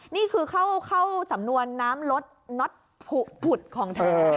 นี่คือเข้าสำนวนน้ำลดน็อตผุดของแท้